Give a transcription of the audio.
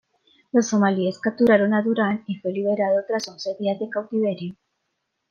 Los somalíes capturaron a Durant y fue liberado tras once días de cautiverio.